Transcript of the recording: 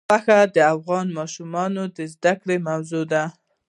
غوښې د افغان ماشومانو د زده کړې موضوع ده.